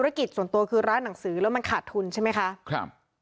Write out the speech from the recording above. กิจส่วนตัวคือร้านหนังสือแล้วมันขาดทุนใช่ไหมคะครับ